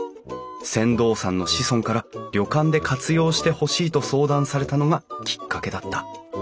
船頭さんの子孫から旅館で活用してほしいと相談されたのがきっかけだった。